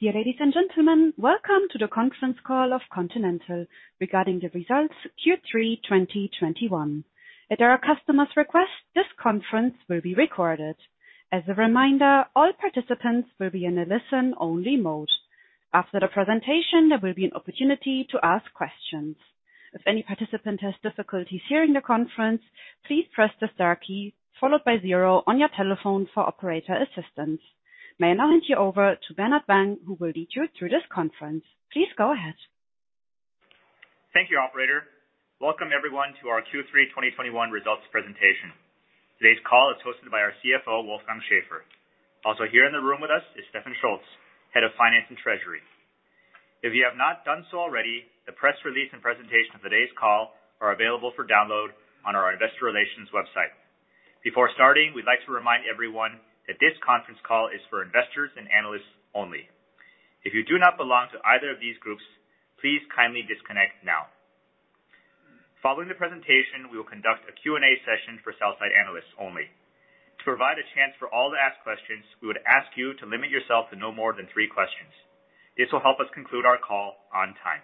Dear ladies and gentlemen, Welcome to the conference call of Continental regarding the results Q3 2021. At our customer's request, this conference will be recorded. As a reminder, all participants will be in a listen-only mode. After the presentation, there will be an opportunity to ask questions. If any participant has difficulties hearing the conference, please press the star key followed by zero on your telephone for operator assistance. May I now hand you over to Bernard Wang, who will lead you through this conference. Please go ahead. Thank you, operator. Welcome everyone to our Q3 2021 results presentation. Today's call is hosted by our CFO, Wolfgang Schäfer. Also here in the room with us is Stefan Scholz, Head of Finance and Treasury. If you have not done so already, the press release and presentation of today's call are available for download on our investor relations website. Before starting, we'd like to remind everyone that this conference call is for investors and analysts only. If you do not belong to either of these groups, please kindly disconnect now. Following the presentation, we will conduct a Q&A session for sell-side analysts only. To provide a chance for all to ask questions, we would ask you to limit yourself to no more than three questions. This will help us conclude our call on time.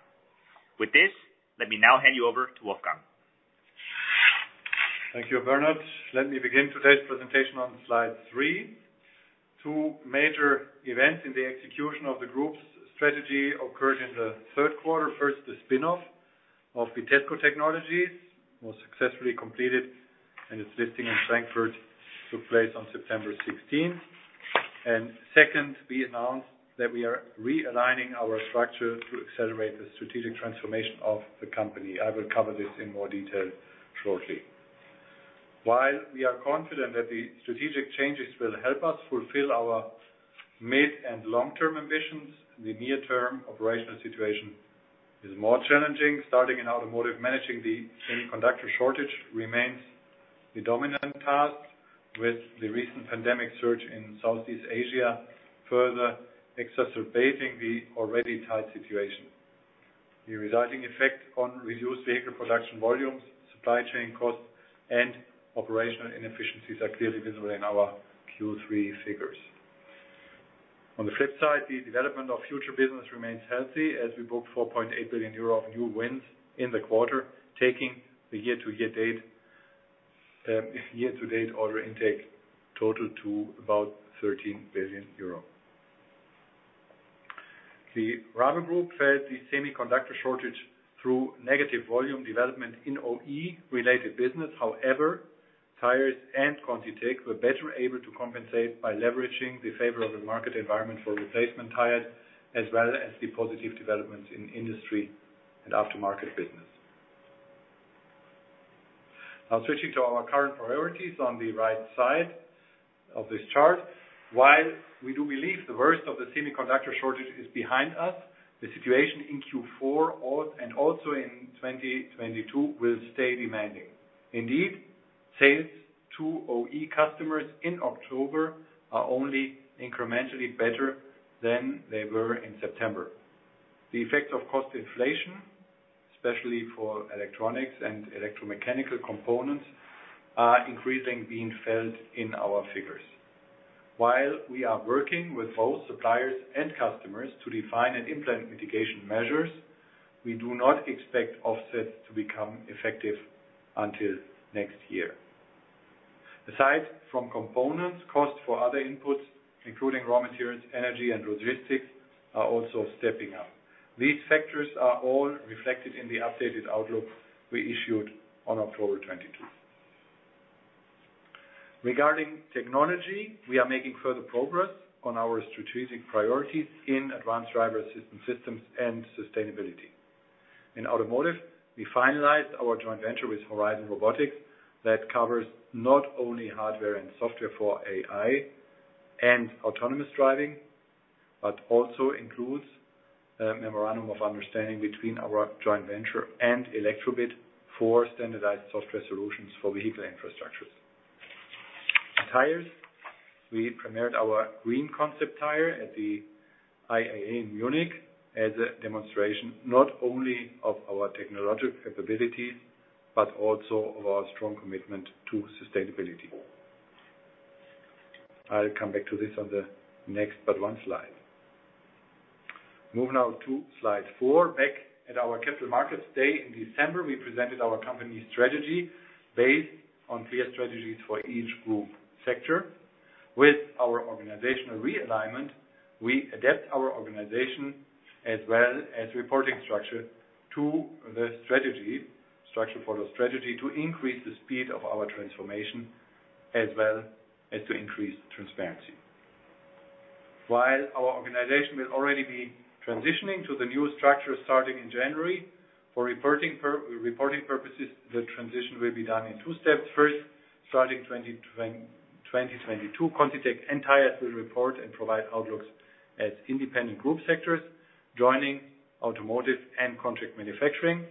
With this, let me now hand you over to Wolfgang. Thank you, Bernard. Let me begin today's presentation on slide three. Two major events in the execution of the group's strategy occurred in the third quarter. First, the spin-off of Vitesco Technologies was successfully completed, and its listing in Frankfurt took place on September 16. Second, we announced that we are realigning our structure to accelerate the strategic transformation of the company. I will cover this in more detail shortly. While we are confident that the strategic changes will help us fulfill our mid- and long-term ambitions, the near-term operational situation is more challenging. Starting in automotive, managing the semiconductor shortage remains the dominant task, with the recent pandemic surge in Southeast Asia further exacerbating the already tight situation. The resulting effect on reduced vehicle production volumes, supply chain costs, and operational inefficiencies are clearly visible in our Q3 figures. On the flip side, the development of future business remains healthy as we booked 4.8 billion euro of new wins in the quarter, taking the year to date order intake total to about 13 billion euro. The Rubber Technologies group felt the semiconductor shortage through negative volume development in OE-related business. However, tires and ContiTech were better able to compensate by leveraging the favorable market environment for replacement tires, as well as the positive developments in industry and aftermarket business. Now switching to our current priorities on the right side of this chart. While we do believe the worst of the semiconductor shortage is behind us, the situation in Q4 and also in 2022 will stay demanding. Indeed, sales to OE customers in October are only incrementally better than they were in September. The effects of cost inflation, especially for electronics and electromechanical components, are increasingly being felt in our figures. While we are working with both suppliers and customers to define and implement mitigation measures, we do not expect offsets to become effective until next year. Aside from components, costs for other inputs, including raw materials, energy, and logistics, are also stepping up. These factors are all reflected in the updated outlook we issued on October 22. Regarding technology, we are making further progress on our strategic priorities in Advanced Driver Assistance Systems and Sustainability. In automotive, we finalized our joint venture with Horizon Robotics that covers not only hardware and software for AI and autonomous driving, but also includes a memorandum of understanding between our joint venture and Elektrobit for standardized software solutions for vehicle infrastructures. In tires, we premiered our green concept tire at the IAA in Munich as a demonstration not only of our technological capabilities, but also of our strong commitment to sustainability. I'll come back to this on the next but one slide. Moving now to slide four. Back at our Capital Markets Day in December, we presented our company strategy based on clear strategies for each group sector. With our organizational realignment, we adapt our organization as well as reporting structure to the strategy structure for the strategy to increase the speed of our transformation, as well as to increase transparency. While our organization will already be transitioning to the new structure starting in January, for reporting purposes, the transition will be done in two steps. First starting 2022, ContiTech and tires will report and provide outlooks as independent group sectors, joining Automotive and Contract Manufacturing.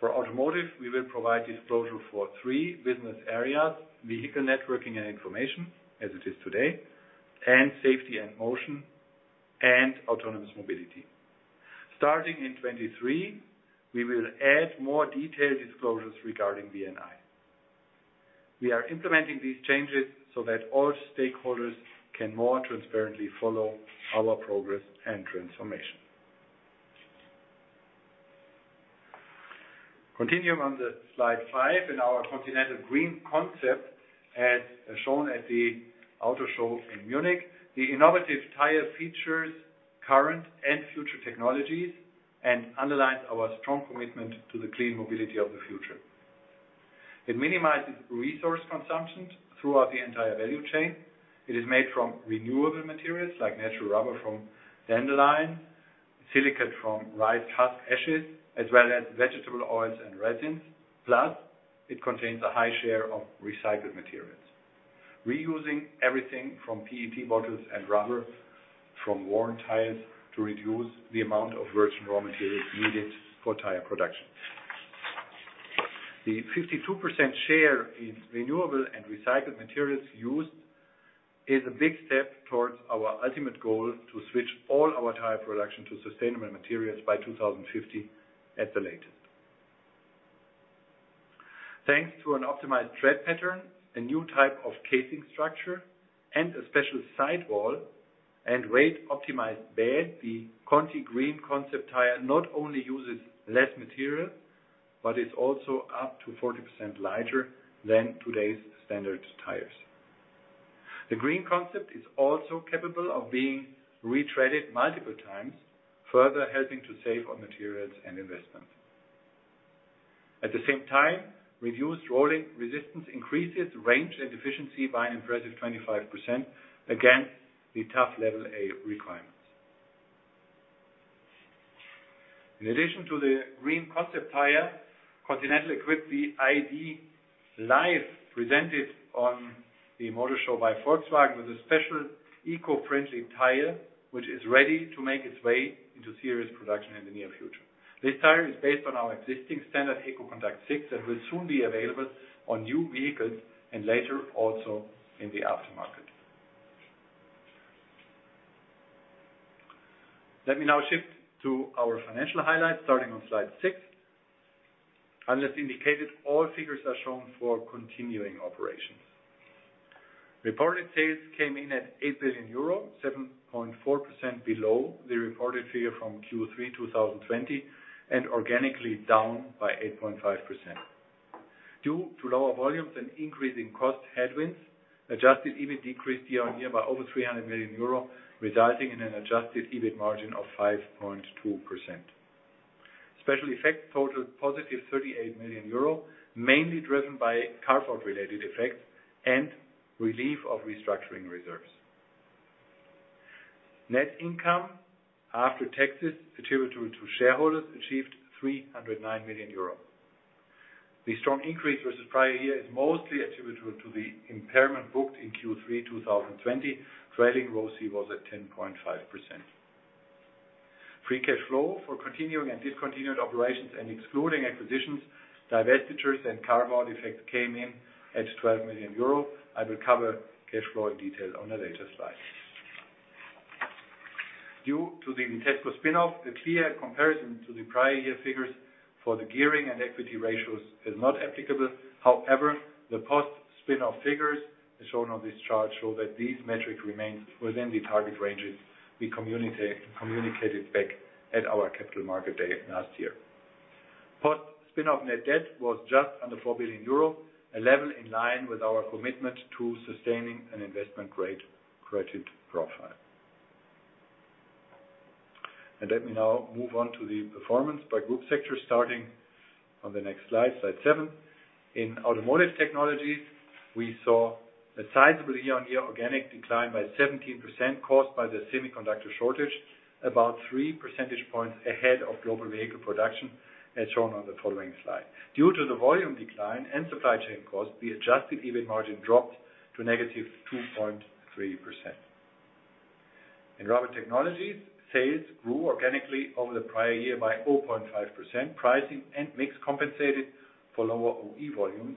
For automotive, we will provide disclosure for three business areas, Vehicle Networking and Information, as it is today, and Safety and Motion, and Autonomous Mobility. Starting in 2023, we will add more detailed disclosures regarding VNI. We are implementing these changes so that all stakeholders can more transparently follow our progress and transformation. Continuing on the slide five, in our Continental GreenConcept, as shown at the Auto Show in Munich, the innovative tire features current and future technologies, and underlines our strong commitment to the clean mobility of the future. It minimizes resource consumption throughout the entire value chain. It is made from renewable materials, like natural rubber from dandelion, silicate from rice husk ashes, as well as vegetable oils and resins. Plus, it contains a high share of recycled materials. Reusing everything from PET bottles and rubber from worn tires to reduce the amount of virgin raw materials needed for tire production. The 52% share in renewable and recycled materials used is a big step towards our ultimate goal to switch all our tire production to sustainable materials by 2050 at the latest. Thanks to an optimized tread pattern, a new type of casing structure, and a special sidewall and weight-optimized bead, the Conti GreenConcept tire not only uses less material, but it's also up to 40% lighter than today's standard tires. The GreenConcept is also capable of being retreaded multiple times, further helping to save on materials and investment. At the same time, reduced rolling resistance increases range and efficiency by an impressive 25% against the tough Label A requirements. In addition to the GreenConcept tire, Continental equipped the ID. Life presented on the motor show by Volkswagen with a special eco-friendly tire, which is ready to make its way into serious production in the near future. This tire is based on our existing standard EcoContact 6, and will soon be available on new vehicles, and later, also in the aftermarket. Let me now shift to our financial highlights, starting on slide 6. Unless indicated, all figures are shown for continuing operations. Reported sales came in at 8 billion euro, 7.4% below the reported figure from Q3 2020, and organically down by 8.5%. Due to lower volumes and increasing cost headwinds, adjusted EBIT decreased year-on-year by over 300 million euro, resulting in an adjusted EBIT margin of 5.2%. Special effects totaled positive 38 million euro, mainly driven by carve-out-related effects and relief of restructuring reserves. Net income after taxes attributable to shareholders achieved 309 million euro. The strong increase versus prior year is mostly attributable to the impairment booked in Q3 2020. Trailing ROCE was at 10.5%. Free cash flow for continuing and discontinued operations and excluding acquisitions, divestitures, and carve-out effects came in at 12 million euro. I will cover cash flow in detail on a later slide. Due to the Vitesco spin-off, the clear comparison to the prior year figures for the gearing and equity ratios is not applicable. However, the post-spin-off figures, as shown on this chart, show that these metrics remain within the target ranges we communicated back at our Capital Markets Day last year. Post-spin-off net debt was just under 4 billion euro, a level in line with our commitment to sustaining an investment-grade credit profile. Let me now move on to the performance by group sector, starting on the next slide seven. In Automotive Technologies, we saw a sizable year-on-year organic decline by 17% caused by the semiconductor shortage, about 3 percentage points ahead of global vehicle production, as shown on the following slide. Due to the volume decline and supply chain costs, the adjusted EBIT margin dropped to negative 2.3%. In Rubber Technologies, sales grew organically over the prior year by 0.5%. Pricing and mix compensated for lower OE volumes.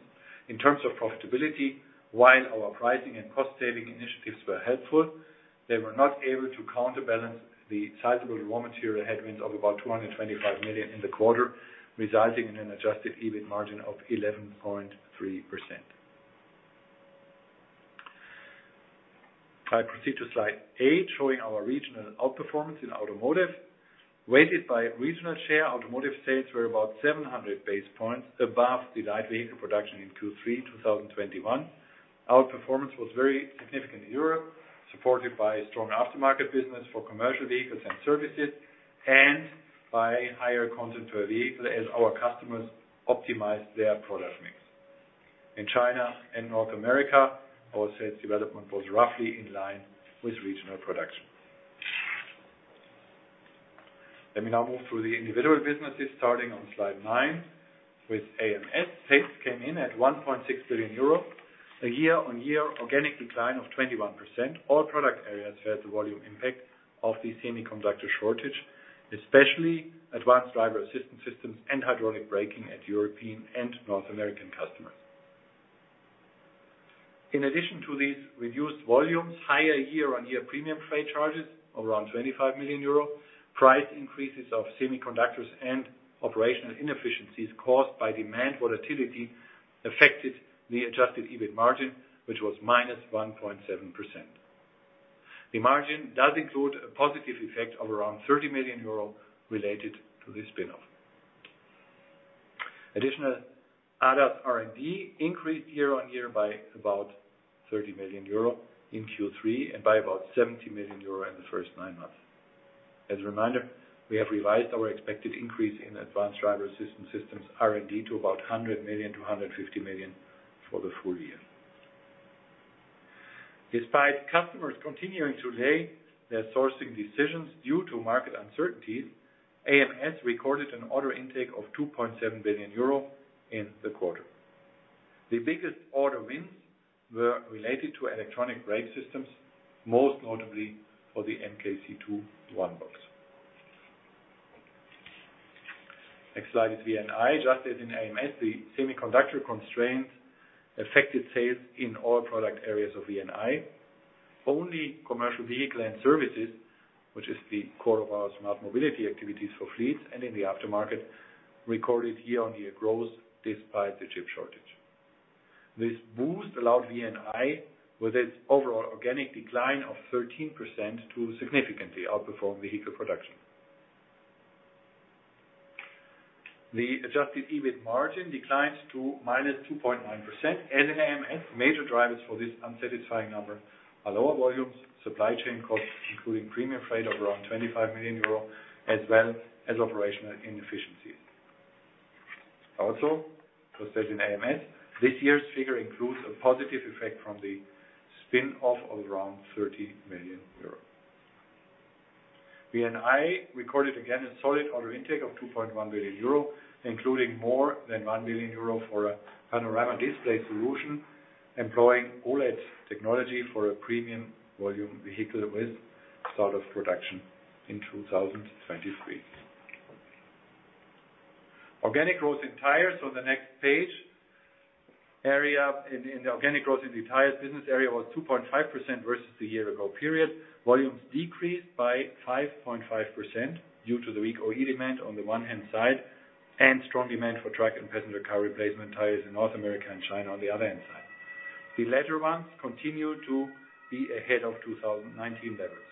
In terms of profitability, while our pricing and cost saving initiatives were helpful, they were not able to counterbalance the sizable raw material headwinds of about 225 million in the quarter, resulting in an adjusted EBIT margin of 11.3%. I proceed to slide 8, showing our regional outperformance in Automotive. Weighted by regional share, Automotive sales were about 700 basis points above the light vehicle production in Q3 2021. Outperformance was very significant in Europe, supported by strong aftermarket business for commercial vehicles and services, and by higher content per vehicle as our customers optimized their product mix. In China and North America, our sales development was roughly in line with regional production. Let me now move through the individual businesses, starting on slide nine. With AMS, sales came in at 1.6 billion euro, a year-on-year organic decline of 21%. All product areas felt the volume impact of the semiconductor shortage, especially Advanced Driver Assistance Systems and hydraulic braking at European and North American customers. In addition to these reduced volumes, higher year-on-year premium freight charges around 25 million euro, price increases of semiconductors and operational inefficiencies caused by demand volatility affected the adjusted EBIT margin, which was -1.7%. The margin does include a positive effect of around 30 million euro related to the spin-off. Additional ADAS R&D increased year-on-year by about 30 million euro in Q3, and by about 70 million euro in the first nine months. As a reminder, we have revised our expected increase in Advanced Driver Assistance Systems R&D to about 100 million-150 million for the full year. Despite customers continuing to delay their sourcing decisions due to market uncertainties, AMS recorded an order intake of 2.7 billion euro in the quarter. The biggest order wins were related to electronic brake systems, most notably for the MK C2 One-Box. Next slide is VNI. Just as in AMS, the semiconductor constraints affected sales in all product areas of VNI. Only commercial vehicle and services, which is the core of our smart mobility activities for fleets and in the aftermarket, recorded year-on-year growth despite the chip shortage. This boost allowed VNI, with its overall organic decline of 13%, to significantly outperform vehicle production. The adjusted EBIT margin declines to -2.9%. As in AMS, major drivers for this unsatisfying number are lower volumes, supply chain costs, including premium freight of around 25 million euro, as well as operational inefficiencies. Also, as said in AMS, this year's figure includes a positive effect from the spin-off of around 30 million euros. VNI recorded again a solid order intake of 2.1 billion euro, including more than 1 billion euro for a panorama display solution, employing OLED technology for a premium volume vehicle with start of production in 2023. Organic growth in tires on the next page. In the organic growth in the tires business area was 2.5% versus the year ago period. Volumes decreased by 5.5% due to the weak OE demand on the one-hand side, and strong demand for truck and passenger car replacement tires in North America and China on the other hand side. The latter ones continue to be ahead of 2019 levels.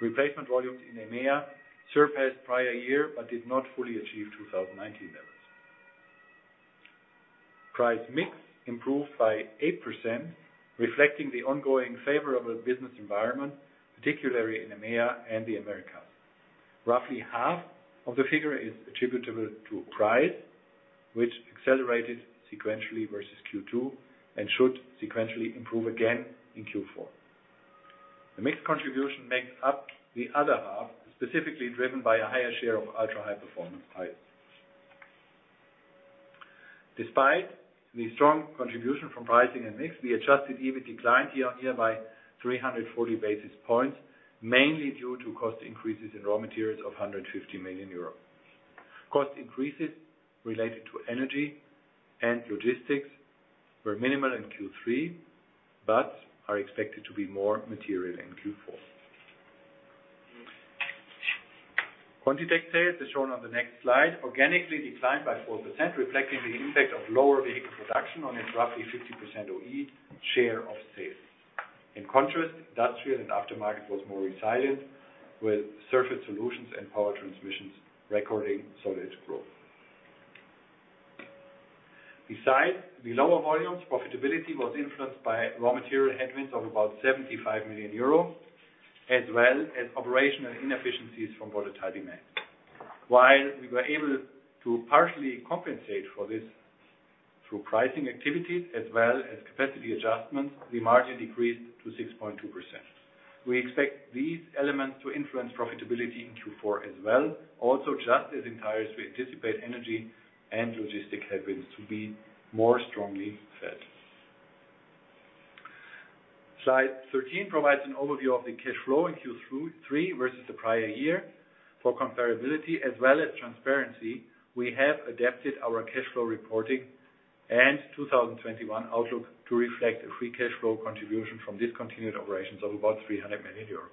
Replacement volumes in EMEA surpassed prior year, but did not fully achieve 2019 levels. Price mix improved by 8%, reflecting the ongoing favorable business environment, particularly in EMEA and the Americas. Roughly half of the figure is attributable to price, which accelerated sequentially versus Q2, and should sequentially improve again in Q4. The mix contribution makes up the other half, specifically driven by a higher share of ultra-high performance tires. Despite the strong contribution from pricing and mix, the adjusted EBIT declined year-on-year by 340 basis points, mainly due to cost increases in raw materials of 150 million euros. Cost increases related to energy and logistics were minimal in Q3, but are expected to be more material in Q4. ContiTech sales, as shown on the next slide, organically declined by 4%, reflecting the impact of lower vehicle production on a roughly 50% OE share of sales. In contrast, industrial and aftermarket was more resilient, with Surface Solutions and Power Transmission recording solid growth. Besides the lower volumes, profitability was influenced by raw material headwinds of about 75 million euro, as well as operational inefficiencies from volatile demand. While we were able to partially compensate for this through pricing activities as well as capacity adjustments, the margin decreased to 6.2%. We expect these elements to influence profitability in Q4 as well. Also, just as in tires, we anticipate energy and logistic headwinds to be more strongly felt. Slide 13 provides an overview of the cash flow in Q3 versus the prior year. For comparability, as well as transparency, we have adapted our cash flow reporting and 2021 outlook to reflect a free cash flow contribution from discontinued operations of about 300 million euros.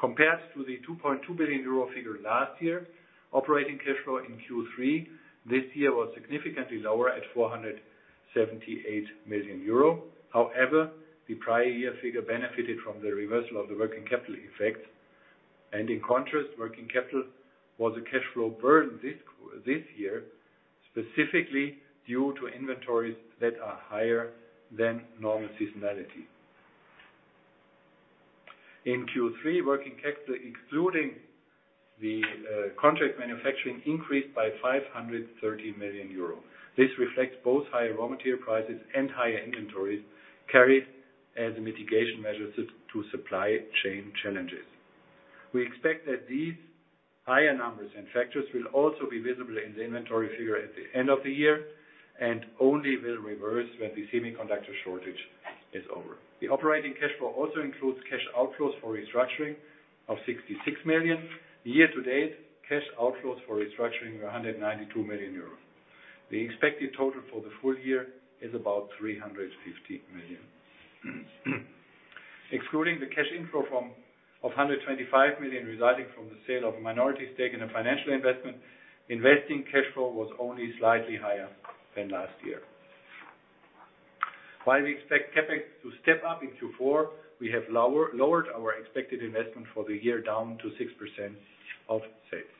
Compared to the 2.2 billion euro figure last year, operating cash flow in Q3 this year was significantly lower at 478 million euro. However, the prior year figure benefited from the reversal of the working capital effect. In contrast, working capital was a cash flow burn this year, specifically due to inventories that are higher than normal seasonality. In Q3, working capital, excluding the Contract Manufacturing, increased by 530 million euro. This reflects both higher raw material prices and higher inventories carried as mitigation measures to supply chain challenges. We expect that these higher numbers and factors will also be visible in the inventory figure at the end of the year, and only will reverse when the semiconductor shortage is over. The operating cash flow also includes cash outflows for restructuring of 66 million. Year-to-date, cash outflows for restructuring are 192 million euros. The expected total for the full year is about 350 million. Excluding the cash inflow of 125 million resulting from the sale of a minority stake in a financial investment, investing cash flow was only slightly higher than last year. While we expect CapEx to step up in Q4, we have lowered our expected investment for the year down to 6% of sales.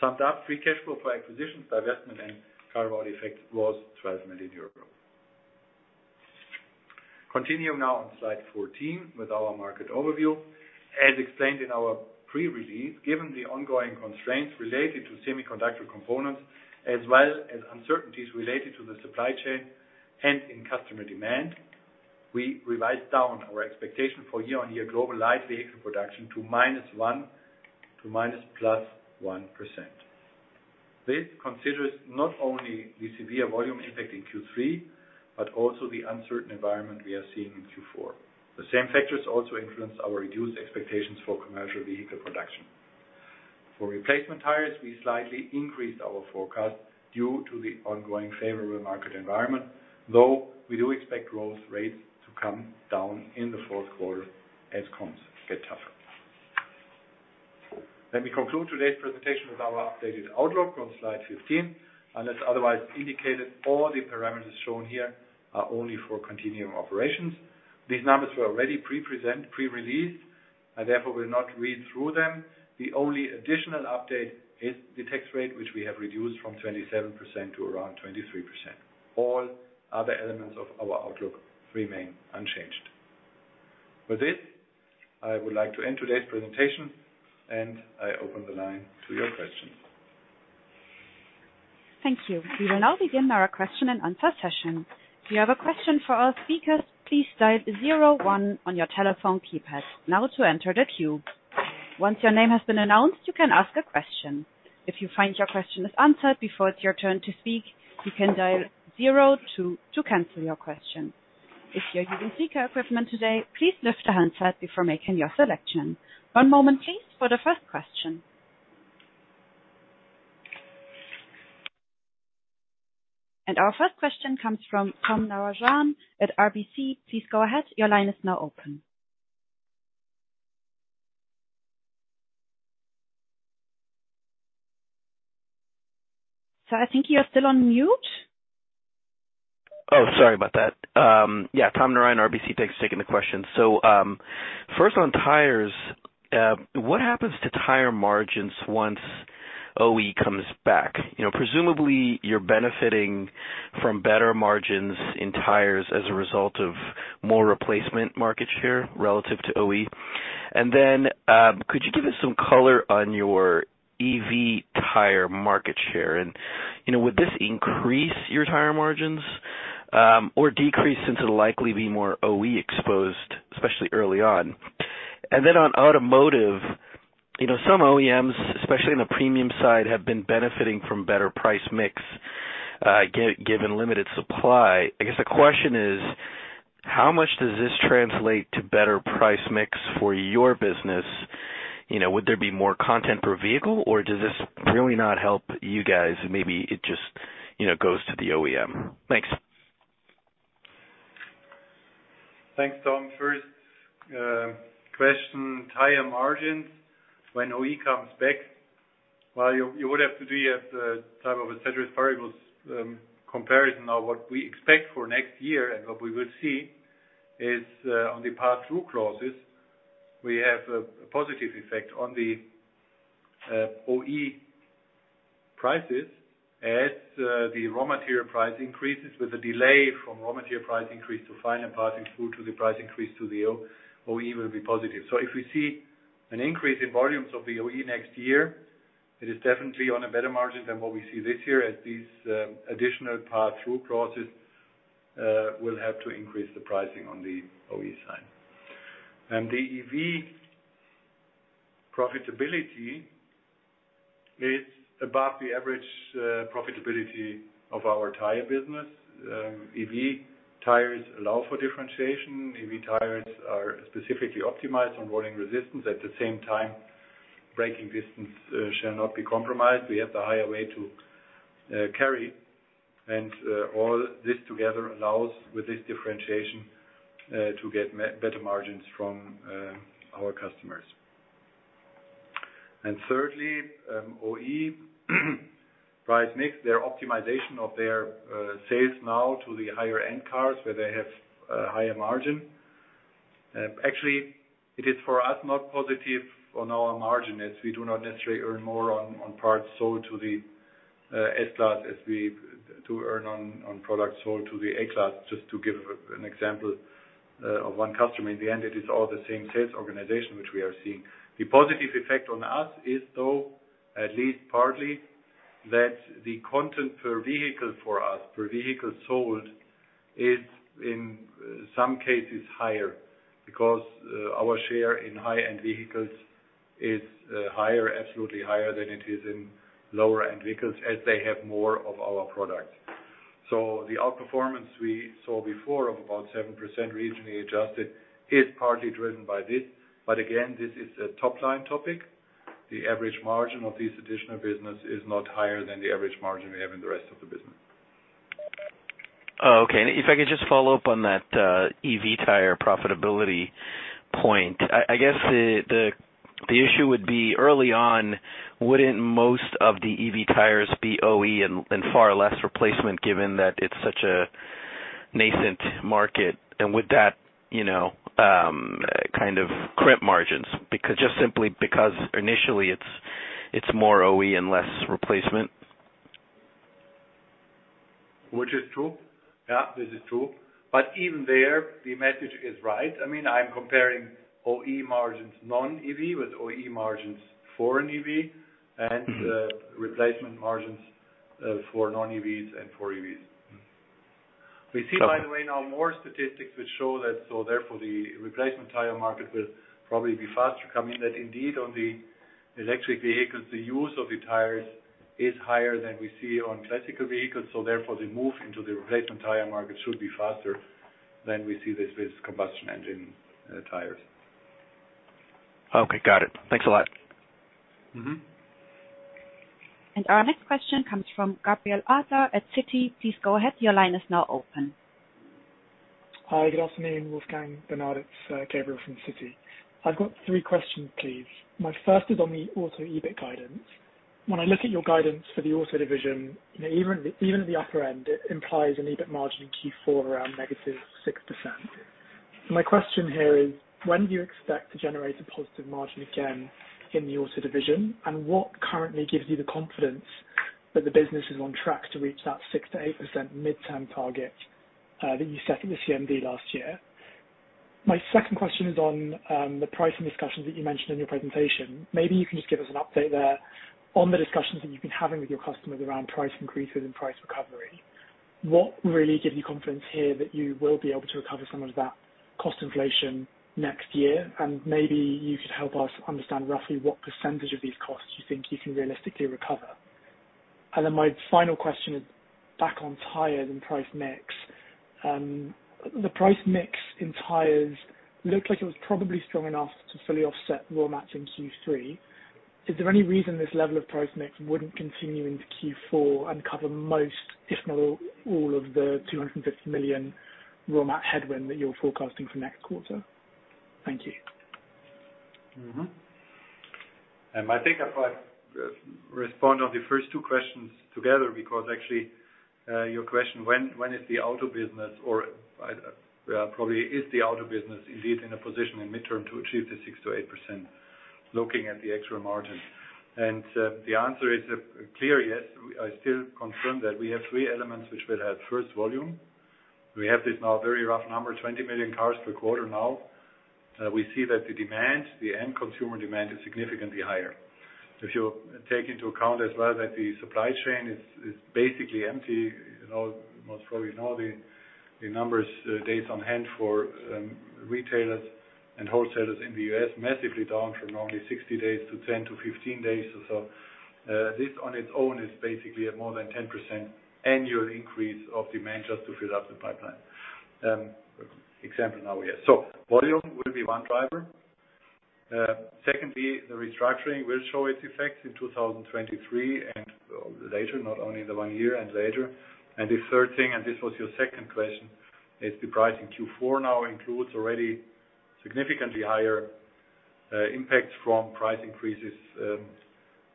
Summed up, free cash flow for acquisitions, divestment and carve-out effect was 12 million euros. Continuing now on slide 14 with our market overview. As explained in our pre-release, given the ongoing constraints related to semiconductor components as well as uncertainties related to the supply chain and in customer demand, we revised down our expectation for year-on-year global light vehicle production to -1% to +1%. This considers not only the severe volume impact in Q3, but also the uncertain environment we are seeing in Q4. The same factors also influence our reduced expectations for commercial vehicle production. For replacement tires, we slightly increased our forecast due to the ongoing favorable market environment, though we do expect growth rates to come down in the fourth quarter as comps get tougher. Let me conclude today's presentation with our updated outlook on slide 15. Unless otherwise indicated, all the parameters shown here are only for continuing operations. These numbers were already pre-released. I therefore will not read through them. The only additional update is the tax rate, which we have reduced from 27% to around 23%. All other elements of our outlook remain unchanged. With this, I would like to end today's presentation, and I open the line to your questions. Thank you. We will now begin our question and answer session. If you have a question for our speakers, please dial zero one on your telephone keypad now to enter the queue. Once your name has been announced, you can ask a question. If you find your question is answered before it's your turn to speak, you can dial zero two to cancel your question. If you're using speaker equipment today, please lift the handset before making your selection. One moment please for the first question. Our first question comes from Tom Narayan at RBC. Please go ahead. Your line is now open. Sir, I think you're still on mute. Oh, sorry about that. Yeah, Tom Narayan, RBC taking the question. First on tires, what happens to tire margins once OE comes back? You know, presumably you're benefiting from better margins in tires as a result of more replacement market share relative to OE. Then, could you give us some color on your EV tire market share? You know, would this increase your tire margins, or decrease since it'll likely be more OE exposed, especially early on? On automotive, you know, some OEMs, especially in the premium side, have been benefiting from better price mix, given limited supply. I guess the question is how much does this translate to better price mix for your business? You know, would there be more content per vehicle, or does this really not help you guys? Maybe it just, you know, goes to the OEM. Thanks. Thanks, Tom. First question, tire margins when OE comes back. Well, you would have to do a type of a ceteris paribus comparison of what we expect for next year and what we will see is on the pass-through clauses, we have a positive effect on the OE prices as the raw material price increases with a delay from raw material price increase to final passing through to the price increase to the OE will be positive. So if we see an increase in volumes of the OE next year, it is definitely on a better margin than what we see this year as these additional pass-through clauses will have to increase the pricing on the OE side. The EV profitability is above the average profitability of our tire business. EV tires allow for differentiation. EV tires are specifically optimized on rolling resistance. At the same time, braking distance shall not be compromised. We have the higher way to carry. All this together allows, with this differentiation, to get better margins from our customers. Thirdly, OE price mix, their optimization of their sales now to the higher-end cars where they have higher margin. Actually, it is for us not positive on our margin as we do not necessarily earn more on parts sold to the S-Class as we do earn on products sold to the A-Class, just to give an example of one customer. In the end, it is all the same sales organization which we are seeing. The positive effect on us is, though, at least partly, that the content per vehicle for us, per vehicle sold is in some cases higher because our share in high-end vehicles is higher, absolutely higher than it is in lower-end vehicles as they have more of our products. The outperformance we saw before of about 7% regionally adjusted is partly driven by this. Again, this is a top-line topic. The average margin of this additional business is not higher than the average margin we have in the rest of the business. Oh, okay. If I could just follow up on that, EV tire profitability point, I guess the issue would be early on wouldn't most of the EV tires be OE and far less replacement given that it's such a nascent market and would that, you know, kind of crimp margins because just simply because initially it's more OE and less replacement? Which is true. Yeah, this is true. Even there the message is right. I mean, I'm comparing OE margins non-EV with OE margins for an EV and replacement margins for non-EVs and for EVs. We see by the way now more statistics which show that, so therefore the replacement tire market will probably be faster coming that indeed on the electric vehicles the use of the tires is higher than we see on classical vehicles, so therefore the move into the replacement tire market should be faster than we see this with combustion engine tires. Okay. Got it. Thanks a lot. Mm-hmm. Our next question comes from Gabriel Adler at Citi. Please go ahead. Your line is now open. Hi. Good afternoon, Wolfgang, Bernard. It's Gabriel from Citi. I've got three questions, please. My first is on the auto EBIT guidance. When I look at your guidance for the auto division, you know, even at the upper end, it implies an EBIT margin in Q4 around negative 6%. My question here is when do you expect to generate a positive margin again in the auto division, and what currently gives you the confidence that the business is on track to reach that 6%-8% midterm target that you set at the CMD last year? My second question is on the pricing discussions that you mentioned in your presentation. Maybe you can just give us an update there on the discussions that you've been having with your customers around price increases and price recovery. What really gives you confidence here that you will be able to recover some of that cost inflation next year? Maybe you could help us understand roughly what percentage of these costs you think you can realistically recover. Then my final question is back on tires and price mix. The price mix in tires looked like it was probably strong enough to fully offset raw mats in Q3. Is there any reason this level of price mix wouldn't continue into Q4 and cover most, if not all, of the 250 million raw mat headwind that you're forecasting for next quarter? Thank you. I think if I respond on the first two questions together, because actually, your question when is the auto business or probably is the auto business indeed in a position in midterm to achieve the 6%-8% looking at the extra margin. The answer is clear, yes. I still confirm that we have three elements which will help. First, volume. We have this now very rough number, 20 million cars per quarter now. We see that the demand, the end consumer demand is significantly higher. If you take into account as well that the supply chain is basically empty, you know, most probably know the numbers, days on hand for retailers and wholesalers in the U.S. massively down from normally 60 days to 10-15 days or so. This on its own is basically a more than 10% annual increase of demand just to fill up the pipeline. Example now here. Volume will be one driver. Secondly, the restructuring will show its effects in 2023 and later, not only in the one year and later. The third thing, and this was your second question, is the price in Q4 now includes already significantly higher impact from price increases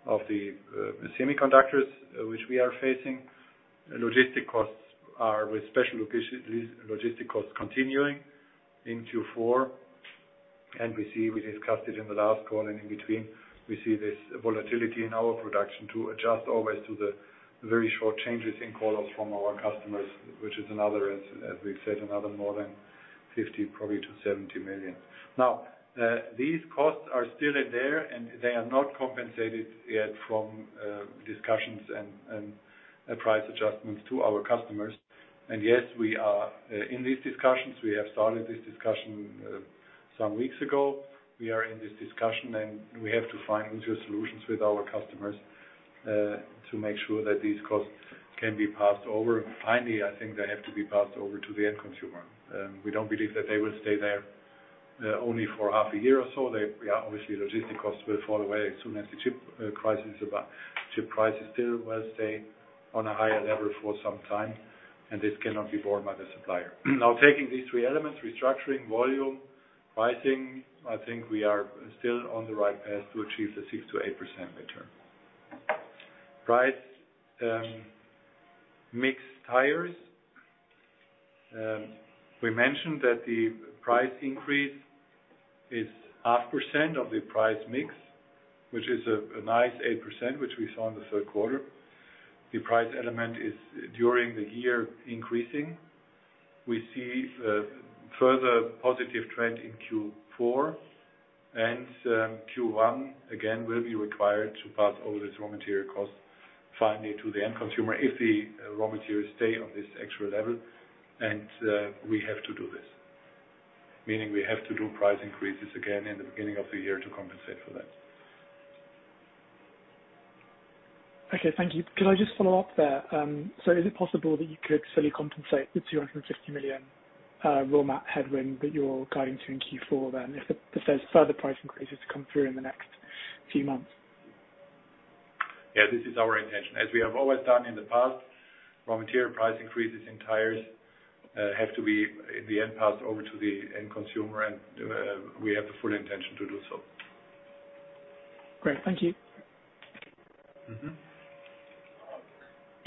of the semiconductors which we are facing. Logistic costs are with special logistics costs continuing in Q4. We see, we discussed it in the last call and in between, we see this volatility in our production to adjust always to the very short changes in call-offs from our customers, which is another, as we've said, more than 50 million to 70 million. Now, these costs are still in there, and they are not compensated yet from discussions and price adjustments to our customers. Yes, we are in these discussions. We have started this discussion some weeks ago. We are in this discussion, and we have to find solutions with our customers to make sure that these costs can be passed over. Finally, I think they have to be passed over to the end consumer. We don't believe that they will stay there only for half a year or so. They obviously logistics costs will fall away as soon as the chip crisis still will stay on a higher level for some time, and this cannot be borne by the supplier. Now, taking these three elements, restructuring, volume, pricing, I think we are still on the right path to achieve the 6%-8% return. Price mix tires. We mentioned that the price increase is half percent of the price mix, which is a nice 8%, which we saw in the third quarter. The price element is during the year increasing. We see a further positive trend in Q4 and Q1 again will be required to pass on this raw material cost finally to the end consumer if the raw materials stay on this high level, and we have to do this, meaning we have to do price increases again in the beginning of the year to compensate for that. Okay, thank you. Could I just follow up there? Is it possible that you could fully compensate the 260 million raw mat headwind that you're guiding to in Q4, then if there's further price increases to come through in the next few months? Yeah, this is our intention. As we have always done in the past, raw material price increases in tires have to be in the end passed over to the end consumer and we have the full intention to do so. Great. Thank you.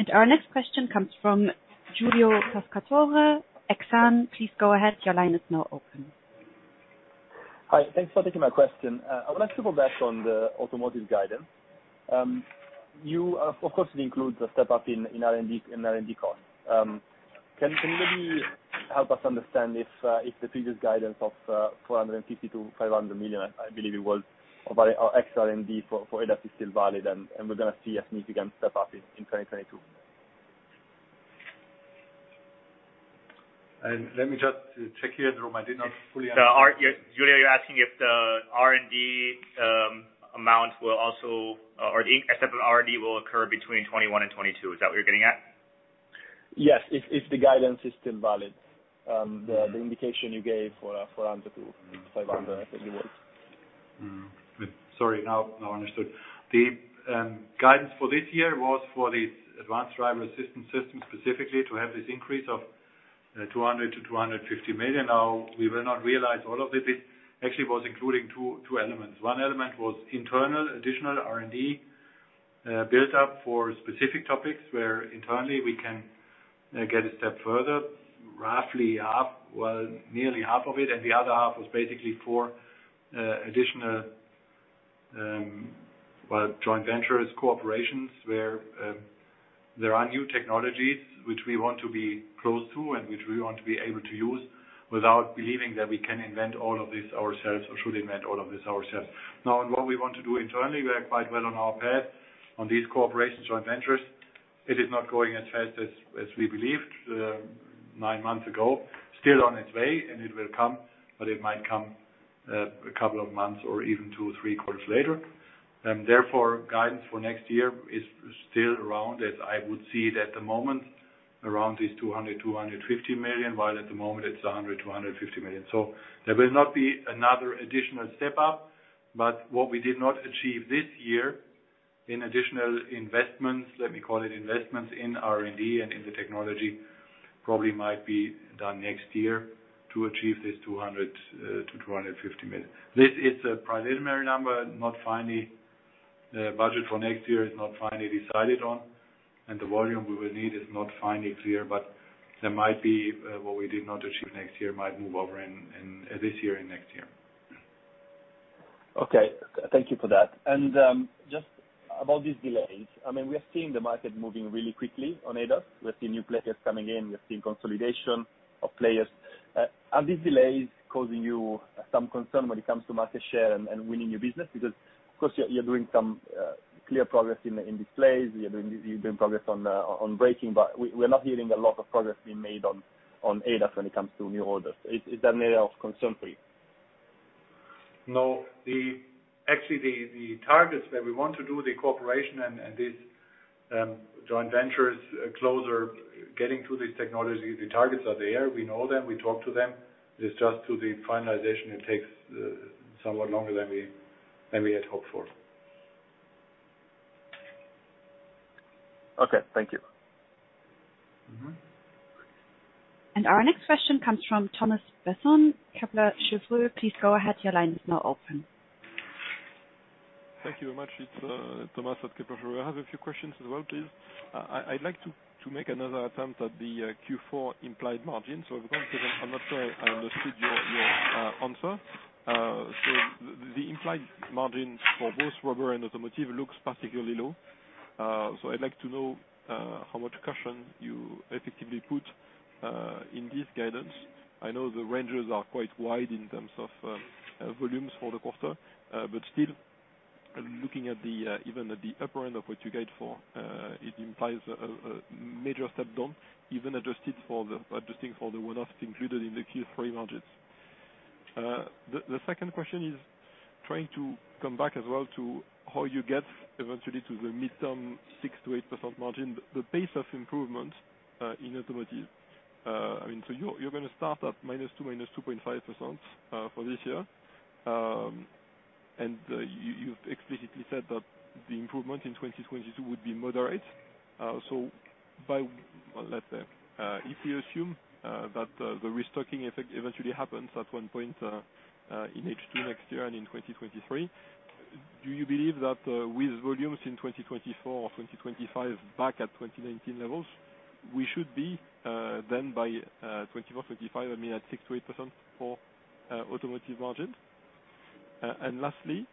Mm-hmm. Our next question comes from Giulio Pescatore, Exane. Please go ahead. Your line is now open. Hi, thanks for taking my question. I would like to go back on the automotive guidance. Of course it includes a step up in R&D costs. Can you maybe help us understand if the previous guidance of 450 million-500 million, I believe it was, of ex-R&D for ADAS is still valid, and we're gonna see a significant step up in 2022? Let me just check here. [inaudible] I did not fully under- Giulio, you're asking if the R&D amount will also, or the accepted R&D will occur between 2021 and 2022. Is that what you're getting at? Yes. If the guidance is still valid, the indication you gave for 400-500, I think it was. Mm-hmm. Sorry. Now understood. The guidance for this year was for the Advanced Driver Assistance System specifically to have this increase of 200 million-250 million. Now, we will not realize all of it. It actually was including two elements. One element was internal additional R&D built up for specific topics where internally we can get a step further, roughly half, well, nearly half of it. The other half was basically for additional joint ventures cooperations where there are new technologies which we want to be close to and which we want to be able to use without believing that we can invent all of this ourselves or should invent all of this ourselves. Now, in what we want to do internally, we are quite well on our path. On these cooperations joint ventures, it is not going as fast as we believed nine months ago. Still on its way, and it will come, but it might come a couple of months or even two, three quarters later. Therefore, guidance for next year is still around, as I would see it at the moment, around 200 million-250 million, while at the moment it's 100 million-150 million. There will not be another additional step up, but what we did not achieve this year in additional investments, let me call it investments in R&D and in the technology, probably might be done next year to achieve 200 million-250 million. This is a preliminary number, not finally. The budget for next year is not finally decided on, and the volume we will need is not finally clear, but there might be what we did not achieve next year might move over in this year and next year. Okay. Thank you for that. Just about these delays, I mean, we are seeing the market moving really quickly on ADAS. We're seeing new players coming in. We're seeing consolidation of players. Are these delays causing you some concern when it comes to market share and winning new business? Because of course you're doing some clear progress in displays. You're doing progress on braking. But we're not hearing a lot of progress being made on ADAS when it comes to new orders. Is that an area of concern for you? No. Actually, the targets where we want to do the cooperation and these joint ventures closer getting to these technologies, the targets are there. We know them. We talk to them. It is just to the finalization, it takes somewhat longer than we had hoped for. Okay. Thank you. Mm-hmm. Our next question comes from Thomas Besson, Kepler Cheuvreux. Please go ahead. Your line is now open. Thank you very much. It's Thomas at Kepler Cheuvreux. I have a few questions as well, please. I'd like to make another attempt at the Q4 implied margin. For one, because I'm not sure I understood your answer. The implied margin for both rubber and automotive looks particularly low. I'd like to know how much caution you effectively put in this guidance? I know the ranges are quite wide in terms of volumes for the quarter. Still, looking at even at the upper end of what you guide for? It implies a major step down, even adjusted for the one-offs included in the Q3 margins. The second question is trying to come back as well to how you get eventually to the midterm 6%-8% margin, the pace of improvement, in automotive? I mean, you're gonna start at -2% to -2.5% for this year. You've explicitly said that the improvement in 2022 would be moderate. By, well, let's say, if you assume that the restocking effect eventually happens at one point in H2 next year and in 2023, do you believe that with volumes in 2024 or 2025 back at 2019 levels, we should be then by 2024, 2025, I mean, at 6%-8% for automotive margins? Lastly,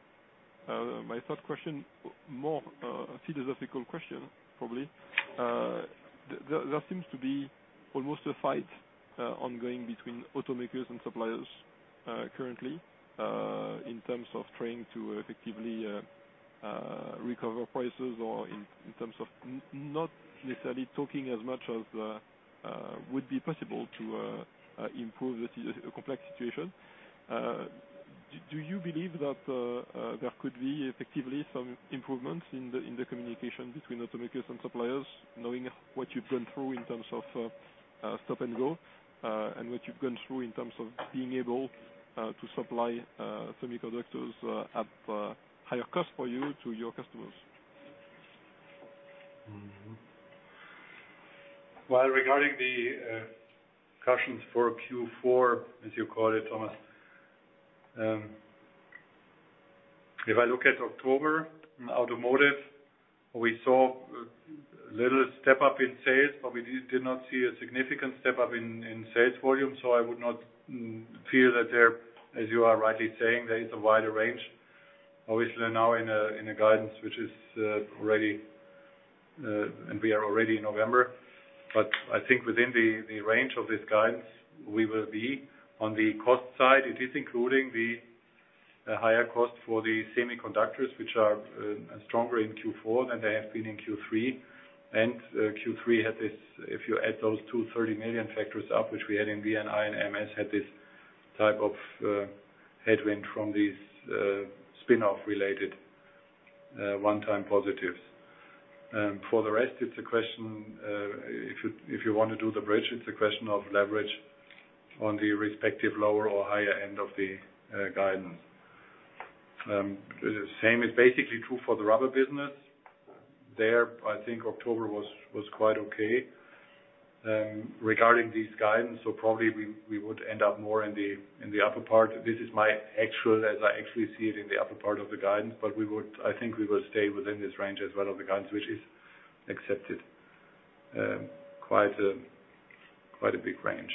my third question, more a philosophical question probably. There seems to be almost a fight ongoing between automakers and suppliers currently in terms of trying to effectively recover prices or in terms of not necessarily talking as much as would be possible to improve the complex situation. Do you believe that there could be effectively some improvements in the communication between automakers and suppliers, knowing what you've gone through in terms of stop and go, and what you've gone through in terms of being able to supply semiconductors at higher cost for you to your customers? Well, regarding the cushions for Q4, as you call it, Thomas, if I look at October in automotive, we saw a little step up in sales, but we did not see a significant step up in sales volume. I would not feel that there, as you are rightly saying, there is a wider range, obviously now in a guidance which is already, and we are already in November. I think within the range of this guidance, we will be. On the cost side, it is including the higher cost for the semiconductors, which are stronger in Q4 than they have been in Q3. Q3 had this, if you add those two 30 million factors up, which we had in VNI and MS, had this type of headwind from these spin-off-related one-time positives. For the rest, it's a question if you want to do the bridge, it's a question of leverage on the respective lower or higher end of the guidance. The same is basically true for the rubber business. There, I think October was quite okay regarding this guidance. Probably we would end up more in the upper part. This is my actual, as I actually see it in the upper part of the guidance. But we would, I think we will stay within this range as well of the guidance, which is accepted quite a big range.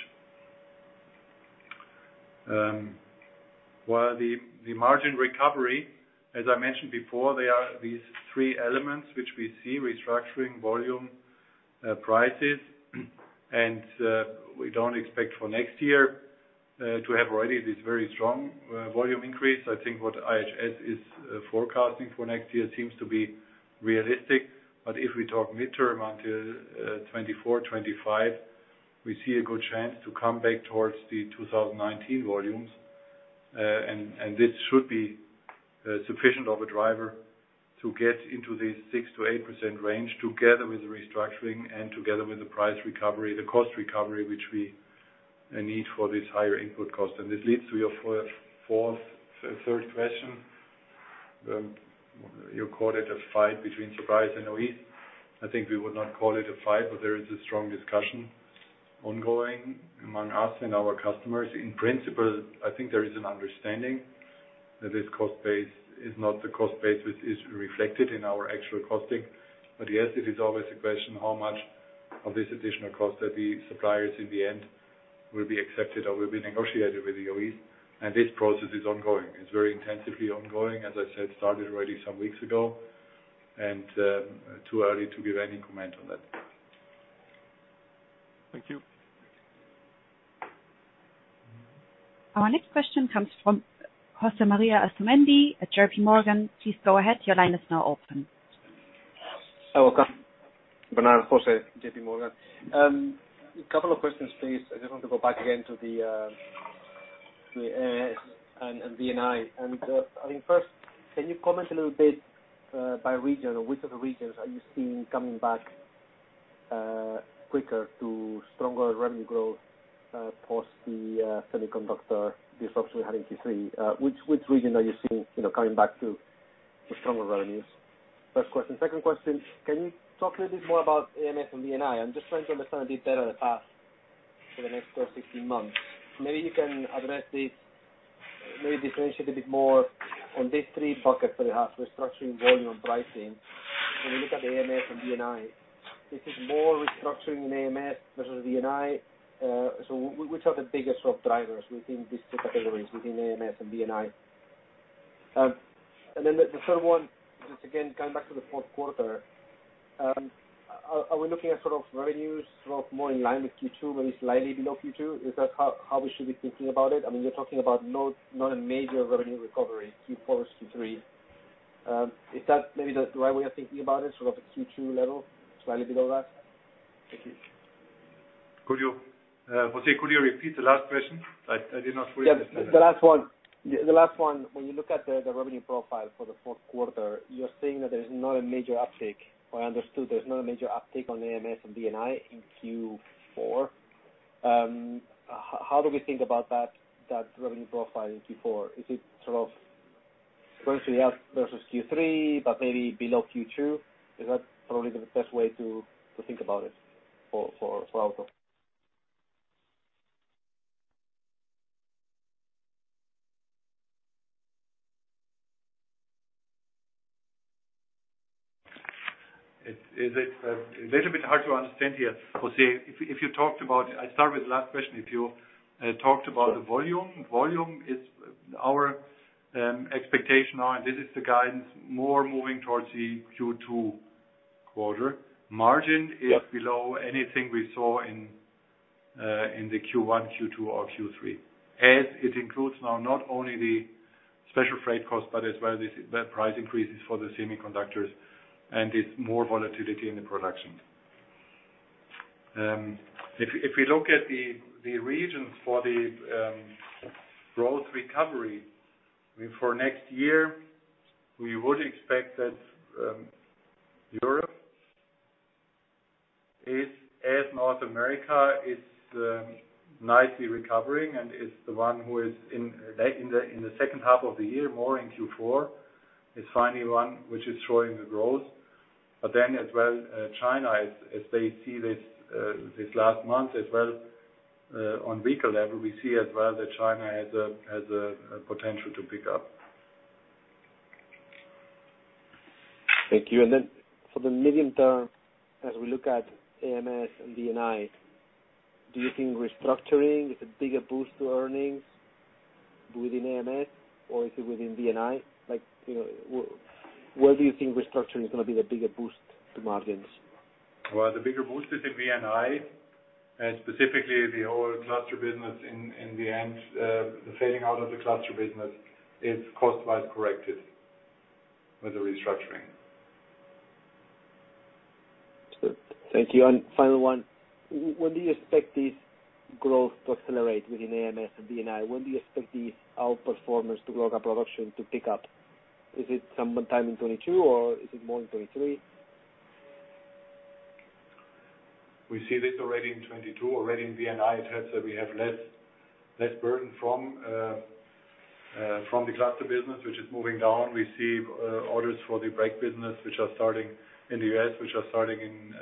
Well, the margin recovery, as I mentioned before, there are these three elements which we see: restructuring, volume, prices. We don't expect for next year to have already this very strong volume increase. I think what IHS is forecasting for next year seems to be realistic. If we talk midterm until 2024, 2025, we see a good chance to come back towards the 2019 volumes. And this should be sufficient of a driver to get into this 6%-8% range together with the restructuring and together with the price recovery, the cost recovery, which we need for this higher input cost. This leads to your fourth, third question. You called it a fight between suppliers and OE. I think we would not call it a fight, but there is a strong discussion ongoing among us and our customers. In principle, I think there is an understanding that this cost base is not the cost base which is reflected in our actual costing. Yes, it is always a question how much of this additional cost that the suppliers in the end will be accepted or will be negotiated with the OEs. This process is ongoing. It's very intensively ongoing, as I said, started already some weeks ago, and too early to give any comment on that. Thank you. Our next question comes from José Maria Asumendi at J.P. Morgan. Please go ahead. Your line is now open. Hi. Welcome. Bernard Jose, J.P. Morgan. A couple of questions, please. I just want to go back again to the AMS and VNI. I mean, first, can you comment a little bit by region, or which of the regions are you seeing coming back quicker to stronger revenue growth post the semiconductor disruption we had in Q3? Which region are you seeing you know coming back to stronger revenues? First question. Second question, can you talk a little bit more about AMS and VNI? I'm just trying to understand a bit better the path for the next 12, 16 months. Maybe you can address this, maybe differentiate a bit more on these three buckets that you have, restructuring, volume, and pricing. When we look at AMS and VNI, this is more restructuring in AMS versus VNI. Which are the biggest drivers within these two categories, within AMS and VNI? And then the third one, just again, coming back to the fourth quarter, are we looking at sort of revenues sort of more in line with Q2, maybe slightly below Q2? Is that how we should be thinking about it? I mean, you're talking about no, not a major revenue recovery, Q4, Q3. Is that maybe the right way of thinking about it, sort of a Q2 level, slightly below that? Thank you. Could you, José, could you repeat the last question? I did not fully understand that. Yeah. The last one, when you look at the revenue profile for the fourth quarter, you're saying that there's not a major uptick, or I understood there's not a major uptick on AMS and VNI in Q4. How do we think about that revenue profile in Q4? Is it sort of going to be up versus Q3, but maybe below Q2? Is that probably the best way to think about it for Auto? It's a little bit hard to understand here, José. If you talked about I start with the last question. If you talked about the volume is our expectation now, and this is the guidance more moving towards the Q2 quarter. Yeah. Margin is below anything we saw in the Q1, Q2, or Q3, as it includes now not only the special freight costs, but as well, the price increases for the semiconductors and it's more volatility in the production. If we look at the regions for the growth recovery for next year, we would expect that Europe, as North America, is nicely recovering and is the one who is in the second half of the year, more in Q4, is finally one which is showing a growth. As well, China, as they see this last month as well, on weaker level, we see as well that China has a potential to pick up. Thank you. For the medium term, as we look at AMS and VNI, do you think restructuring is a bigger boost to earnings within AMS or is it within VNI? Like, you know, where do you think restructuring is gonna be the bigger boost to margins? Well, the bigger boost is in VNI, and specifically the whole cluster business in the end, the fading out of the cluster business is cost-wise corrected with the restructuring. Thank you. Final one: When do you expect this growth to accelerate within AMS and VNI? When do you expect these outperformance to local production to pick up? Is it sometime in 2022 or is it more in 2023? We see this already in 2022. Already in VNI it helps that we have less burden from the cluster business, which is moving down. We see orders for the brake business, which are starting in the U.S., which are starting in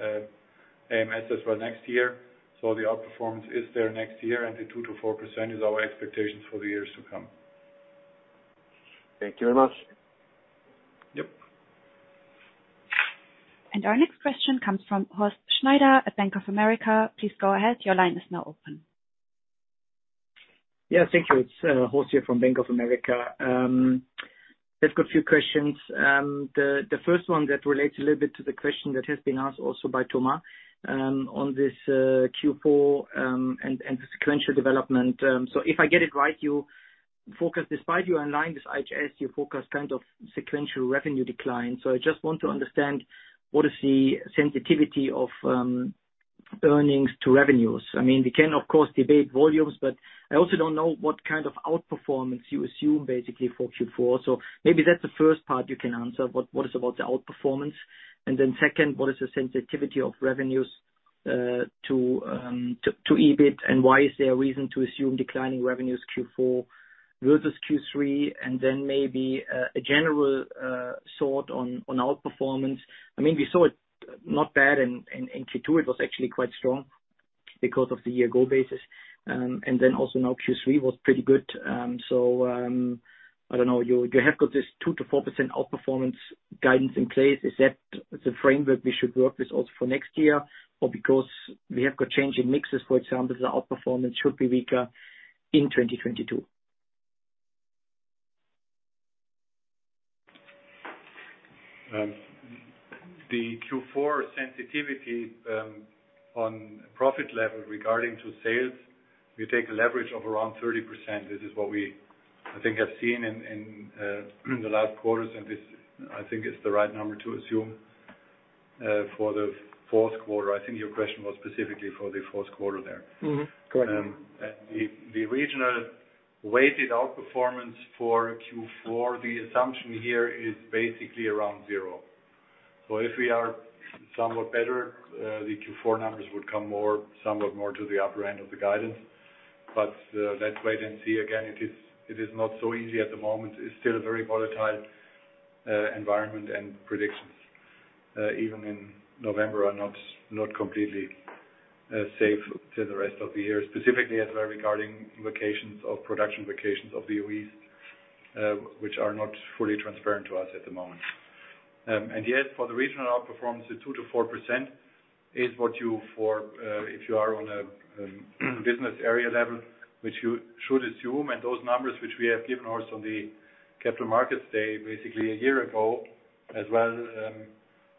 AMS as well next year. The outperformance is there next year, and the 2%-4% is our expectations for the years to come. Thank you very much. Yep. Our next question comes from Horst Schneider at Bank of America. Please go ahead. Your line is now open. Yeah, thank you. It's Horst here from Bank of America. Just got a few questions. The first one that relates a little bit to the question that has been asked also by Thomas on this Q4 and the sequential development. So if I get it right, you focus, despite your line, this IHS, you focus kind of sequential revenue decline. So I just want to understand what is the sensitivity of earnings to revenues. I mean, we can of course debate volumes, but I also don't know what kind of outperformance you assume basically for Q4. So maybe that's the first part you can answer, what is about the outperformance. Second, what is the sensitivity of revenues to EBIT, and why is there a reason to assume declining revenues Q4 versus Q3, and then maybe a general thought on outperformance? I mean, we saw it not bad in Q2. It was actually quite strong because of the year-ago basis. Also now Q3 was pretty good. I don't know, you have got this 2%-4% outperformance guidance in place. Is that the framework we should work with also for next year? Or because we have got change in mixes, for example, the outperformance should be weaker in 2022. The Q4 sensitivity on profit level regarding to sales, we take a leverage of around 30%. This is what we, I think, have seen in the last quarters, and this, I think, is the right number to assume for the fourth quarter. I think your question was specifically for the fourth quarter there. Mm-hmm. Go ahead. The regional weighted outperformance for Q4, the assumption here is basically around zero. If we are somewhat better, the Q4 numbers would come somewhat more to the upper end of the guidance. Let's wait and see. It is not so easy at the moment. It's still a very volatile environment and predictions even in November are not completely safe to the rest of the year, specifically as well regarding vacations of production, vacations of OEs, which are not fully transparent to us at the moment. Yes, for the regional outperformance, the 2%-4% is what you go for if you are on a business area level, which you should assume. Those numbers which we have given also on the Capital Markets Day basically a year ago, as well,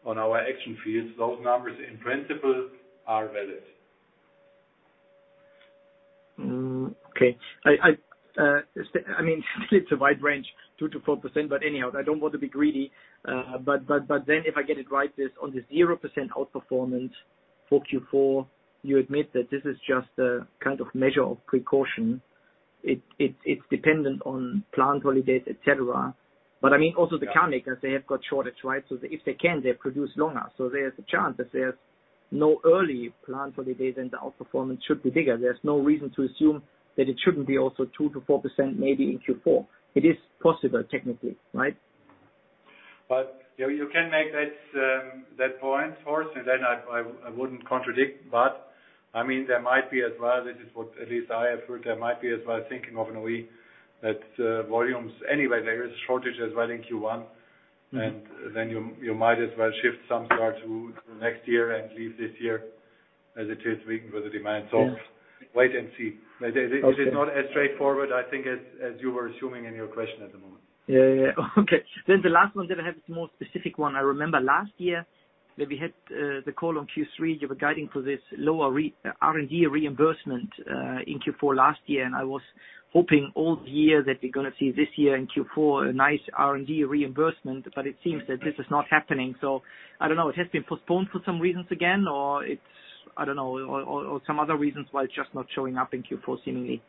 on our action fields, those numbers in principle are valid. Okay. I mean, it's a wide range, 2%-4%, but anyhow, I don't want to be greedy. If I get it right, this on the 0% outperformance for Q4, you admit that this is just a kind of measure of precaution. It's dependent on plant holidays, et cetera. I mean, also the car makers, they have got shortage, right? If they can, they produce longer. There's a chance that there's no early plant holidays and the outperformance should be bigger. There's no reason to assume that it shouldn't be also 2%-4% maybe in Q4. It is possible technically, right? Yeah, you can make that point for us, and then I wouldn't contradict. I mean, there might be as well, this is what at least I have heard, there might be as well anyway, there is shortage as well in Q1. Then you might as well shift some cars to next year and leave this year as it is weak with the demand. Yeah. Wait and see. Okay. It is not as straightforward, I think, as you were assuming in your question at the moment. Yeah. Okay. The last one that I have is more specific one. I remember last year that we had the call on Q3, you were guiding for this lower R&D reimbursement in Q4 last year, and I was hoping all year that we're gonna see this year in Q4 a nice R&D reimbursement, but it seems that this is not happening. I don't know, it has been postponed for some reasons again, or it's, I don't know, or some other reasons why it's just not showing up in Q4 seemingly?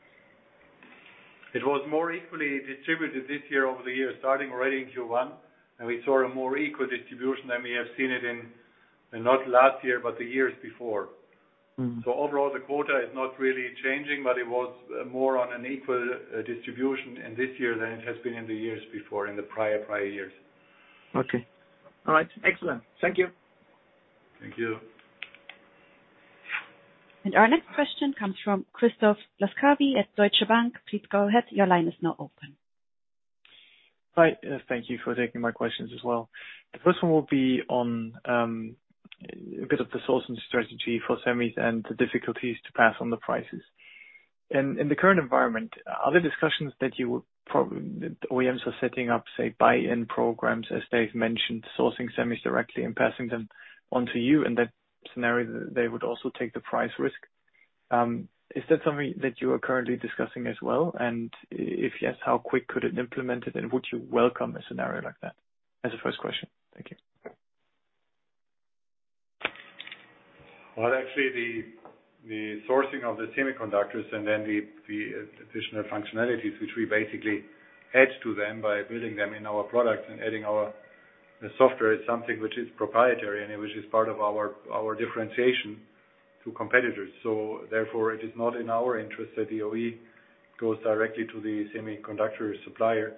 It was more equally distributed this year over the years, starting already in Q1, and we saw a more equal distribution than we have seen it in, not last year, but the years before. Overall, the quota is not really changing, but it was more on an equal distribution in this year than it has been in the years before, in the prior years. Okay. All right. Excellent. Thank you. Thank you. Our next question comes from Christoph Laskawi at Deutsche Bank. Please go ahead. Your line is now open. Hi. Thank you for taking my questions as well. The first one will be on a bit of the sourcing strategy for semis and the difficulties to pass on the prices. In the current environment, are there discussions that OEMs are setting up, say, buy-in programs, as Dave mentioned, sourcing semis directly and passing them on to you? In that scenario, they would also take the price risk. Is that something that you are currently discussing as well? If yes, how quick could it implement it, and would you welcome a scenario like that? That's the first question. Thank you. Well, actually the sourcing of the semiconductors and then the additional functionalities, which we basically add to them by building them in our products and adding our software is something which is proprietary and which is part of our differentiation to competitors. Therefore, it is not in our interest that the OE goes directly to the semiconductor supplier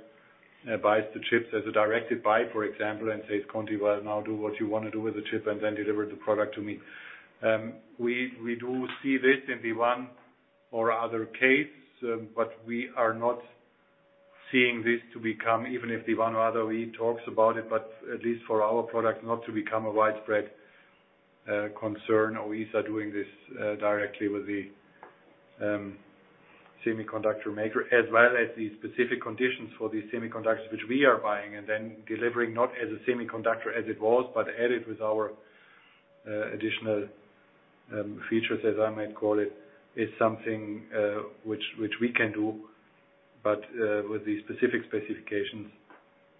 and buys the chips as a directed buy, for example, and says, "Conti, well, now do what you want to do with the chip and then deliver the product to me." We do see this in the one or other case, but we are not seeing this to become, even if the one or other OE talks about it, but at least for our product not to become a widespread concern. OEs are doing this directly with the semiconductor maker, as well as the specific conditions for the semiconductors which we are buying and then delivering not as a semiconductor as it was, but added with our additional features, as I might call it. It's something which we can do, but with the specific specifications,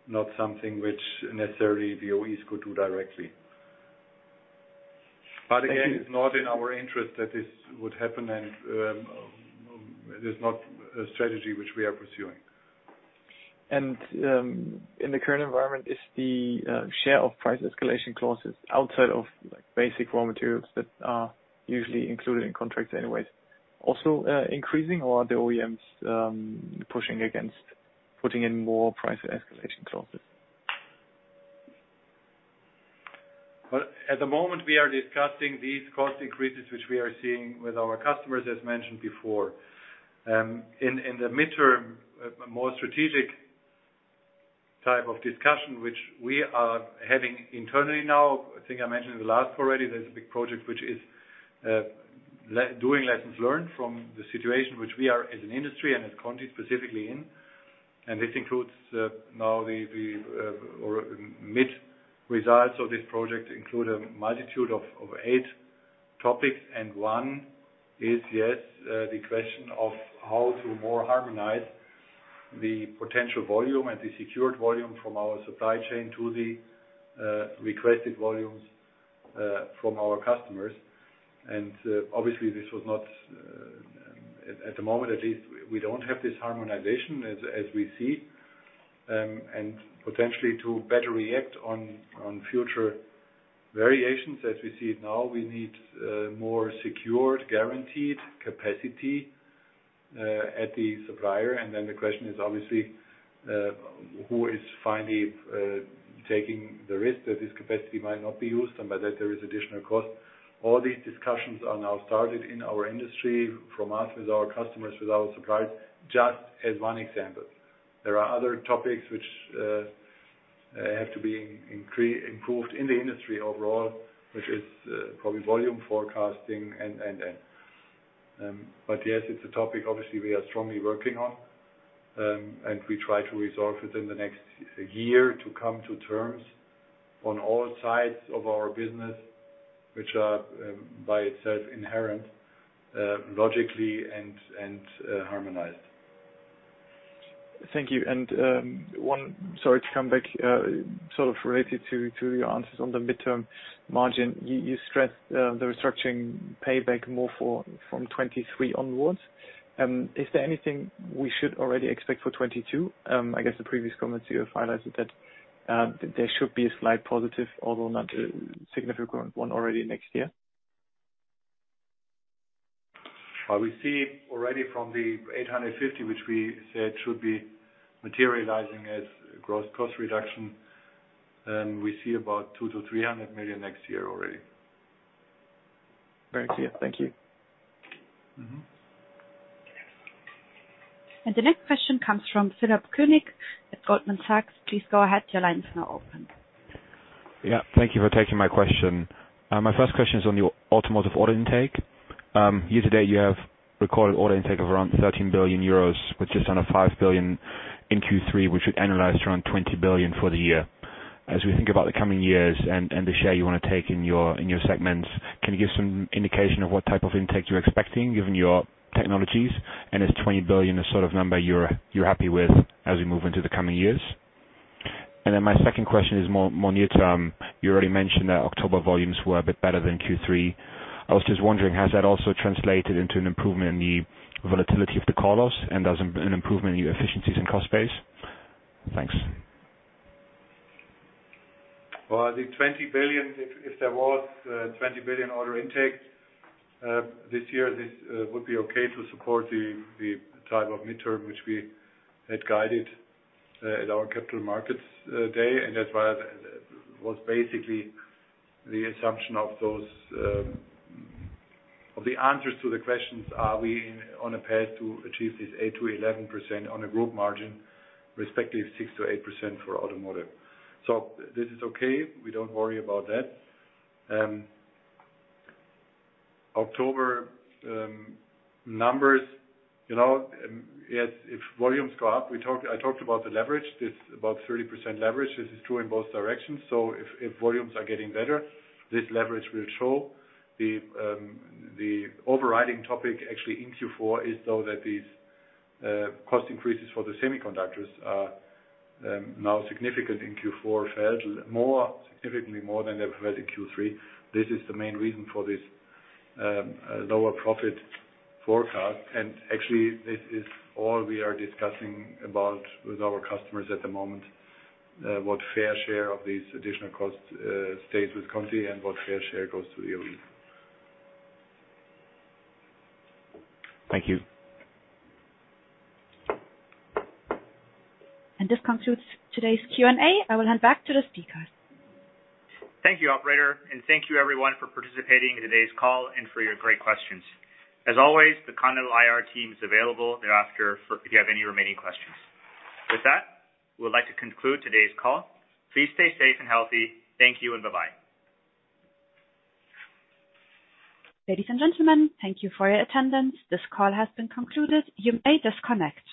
not something which necessarily the OEs could do directly. Again, it's not in our interest that this would happen and it is not a strategy which we are pursuing. In the current environment, is the share of price escalation clauses outside of basic raw materials that are usually included in contracts anyways also increasing, or are the OEMs pushing against putting in more price escalation clauses? Well, at the moment we are discussing these cost increases, which we are seeing with our customers, as mentioned before. In the midterm, a more strategic type of discussion, which we are having internally now, I think I mentioned in the last already, there's a big project which is doing lessons learned from the situation which we are as an industry and as Conti specifically in. This includes now the interim results of this project include a multitude of eight topics, and one is the question of how to more harmonize the potential volume and the secured volume from our supply chain to the requested volumes from our customers. Obviously, this was not, at the moment, at least, we don't have this harmonization as we see. Potentially to better react on future variations as we see it now, we need more secured, guaranteed capacity at the supplier. The question is obviously who is finally taking the risk that this capacity might not be used, and by that there is additional cost. All these discussions are now started in our industry from us with our customers, with our suppliers, just as one example. There are other topics which have to be improved in the industry overall, which is probably volume forecasting and. Yes, it's a topic obviously we are strongly working on, and we try to resolve it in the next year to come to terms on all sides of our business, which are by itself inherent logically and harmonized. Thank you. Sorry to come back, sort of related to your answers on the midterm margin. You stressed the restructuring payback from 2023 onwards. Is there anything we should already expect for 2022? I guess the previous comments you have highlighted that there should be a slight positive, although not a significant one already next year. Well, we see already from the 850 million, which we said should be materializing as gross cost reduction, we see about 200 million-300 million next year already. Very clear. Thank you. Mm-hmm. The next question comes from Philipp Koenig at Goldman Sachs. Please go ahead. Your line is now open. Thank you for taking my question. My first question is on your automotive order intake. Year to date, you have recorded order intake of around 13 billion euros, which is on top of 5 billion in Q3, which would annualize around 20 billion for the year. As we think about the coming years and the share you wanna take in your segments, can you give some indication of what type of intake you're expecting, given your technologies, and is 20 billion the sort of number you're happy with as we move into the coming years? My second question is more near term. You already mentioned that October volumes were a bit better than Q3. I was just wondering, has that also translated into an improvement in the volatility of the cash flows and as an improvement in your efficiencies and cost base? Thanks. Well, the 20 billion, if there was 20 billion order intake this year, this would be okay to support the type of midterm which we had guided at our Capital Markets Day. That's why that was basically the assumption of those of the answers to the questions, are we on a path to achieve this 8%-11% on a group margin, respectively 6%-8% for automotive? This is okay. We don't worry about that. October numbers, you know, yes, if volumes go up, I talked about the leverage. This is about 30% leverage. This is true in both directions. If volumes are getting better, this leverage will show. The overriding topic actually in Q4 is though that these cost increases for the semiconductors are now significant in Q4, felt significantly more than they've felt in Q3. This is the main reason for this lower profit forecast. Actually, this is all we are discussing about with our customers at the moment, what fair share of these additional costs stays with Conti and what fair share goes to the OE. Thank you. This concludes today's Q&A. I will hand back to the speaker. Thank you, operator, and thank you everyone for participating in today's call and for your great questions. As always, the Continental IR team is available thereafter if you have any remaining questions. With that, we would like to conclude today's call. Please stay safe and healthy. Thank you and bye-bye. Ladies and gentlemen, thank you for your attendance. This call has been concluded. You may disconnect.